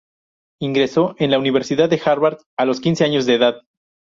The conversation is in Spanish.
Ingresó en la Universidad de Harvard a los quince años de edad.